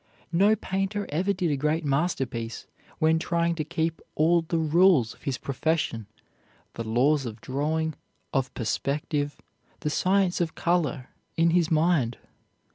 No painter ever did a great masterpiece when trying to keep all the rules of his profession, the laws of drawing, of perspective, the science of color, in his mind.